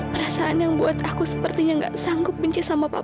perasaan yang buat aku sepertinya gak sanggup benci sama papa